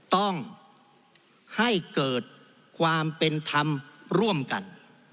ต้องให้เกิดความเป็นธรรมร่วมกัน